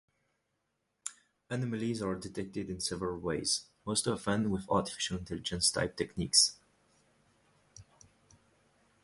Anomalies are detected in several ways, most often with artificial intelligence type techniques.